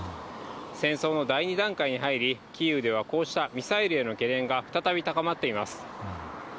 戦争の第２段階に入り、キーウでは、こうしたミサイルへの懸念が再び高まっています。